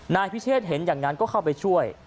นายพิเชษเห็นอย่างนั้นก็เข้าไปช่วย